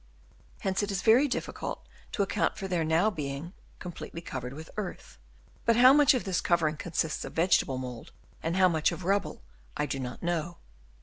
Hence it is very difficult to account for their being now com pletely covered with earth; but how much of this covering consists of vegetable mould and how much of rubble I do not know.